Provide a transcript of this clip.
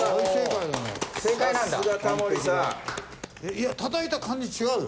いや叩いた感じ違うよ。